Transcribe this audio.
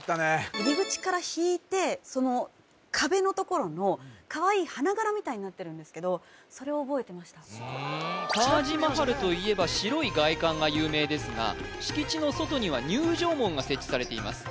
入り口から引いてカワイイ花柄みたいになってるんですけどそれを覚えてましたタージ・マハルといえば白い外観が有名ですが敷地の外には入場門が設置されています